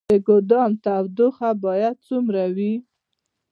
د ګدام تودوخه باید څومره وي؟